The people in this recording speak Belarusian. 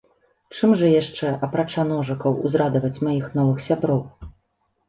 Чым жа яшчэ, апрача ножыкаў, узрадаваць маіх новых сяброў?